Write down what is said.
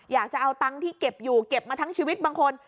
อยากจะเอาตังค์ที่เก็บอยู่เก็บมาทั้งชีวิตบางคน